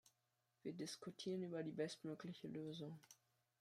Wir diskutieren über die bestmögliche Lösung.